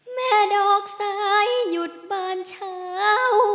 แม่ดอกซ้ายหยุดบานเช้า